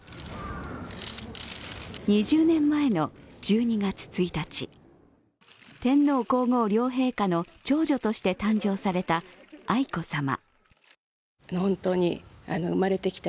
２０年前の１２月１日天皇・皇后両陛下の長女として誕生された愛子さま。